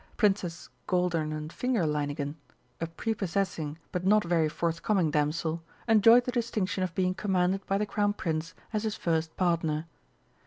Princess Goldernenfingerleinigen, a prepossessing but not very forthcoming damsel, enjoyed the distinction of being commanded by the Crown Prince as his first partner.